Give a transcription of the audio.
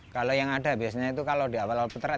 kalau yang ada biasanya itu kalau di awal awal peternak